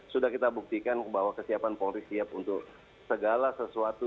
sudah kita buktikan bahwa kesiapan polri siap untuk segala sesuatu